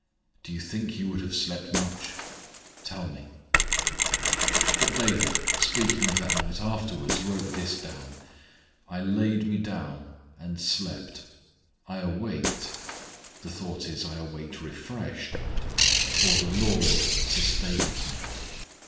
Do you think you would have slept much? Tell me. But David speaking of that night afterwards wrote this down: "I laid me down, and slept; I awaked; (the thought is, I awaked refreshed) for the Lord sustaineth me."